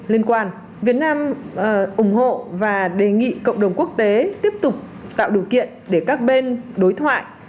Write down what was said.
liên quan việt nam ủng hộ và đề nghị cộng đồng quốc tế tiếp tục tạo điều kiện để các bên đối thoại